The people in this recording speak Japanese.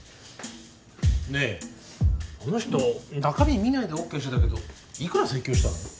ねえあの人中身見ないでＯＫしてたけど幾ら請求したの？